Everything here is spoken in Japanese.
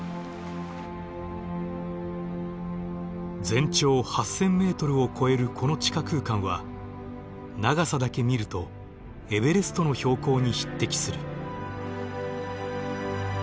全長８，０００ｍを超えるこの地下空間は長さだけ見るとエベレストの標高に匹敵する。